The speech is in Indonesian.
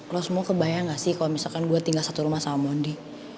lo semua kebayang gak sih kalau misalkan gue tinggal satu rumah sama mondi